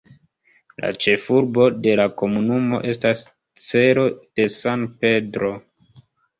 La ĉefurbo de la komunumo estas Cerro de San Pedro.